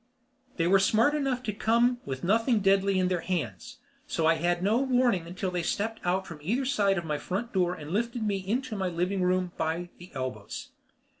They were smart enough to come with nothing deadly in their hands. So I had no warning until they stepped out from either side of my front door and lifted me into my living room by the elbows.